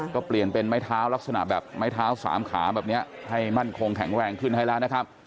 ก็เปลี่ยนเป็นไม้เท้าลักษณะแบบไม้เท้าสามขาแบบนี้ให้มั่นคงแข็งแรงขึ้นให้แล้วนะครับ